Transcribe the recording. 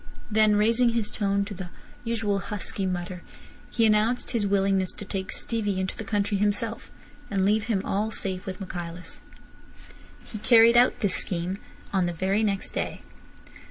Then raising his tone to the usual husky mutter, he announced his willingness to take Stevie into the country himself, and leave him all safe with Michaelis. He carried out this scheme on the very next day.